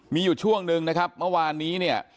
มีอยู่ช่วงหนึ่งนะครับเมื่อวานนี้เนี่ย